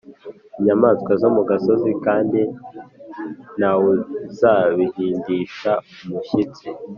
inyamaswa zo mu gasozi, kandi nta wuzabihindisha umushyitsi